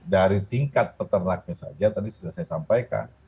dari tingkat peternaknya saja tadi sudah saya sampaikan